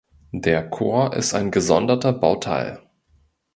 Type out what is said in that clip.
Der Chor ist ein gesonderter Bauteil.